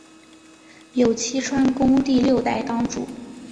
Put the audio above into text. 有栖川宫第六代当主。